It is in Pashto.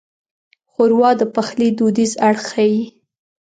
ښوروا د پخلي دودیز اړخ ښيي.